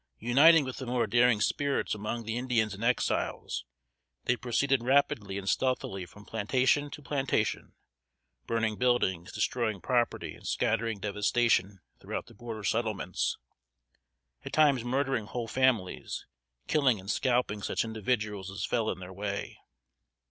Uniting with the more daring spirits among the Indians and Exiles, they proceeded rapidly and stealthily from plantation to plantation, burning buildings, destroying property, and scattering devastation throughout the border settlements; at times murdering whole families, killing and scalping such individuals as fell in their way.